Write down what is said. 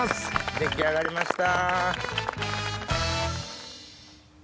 出来上がりました。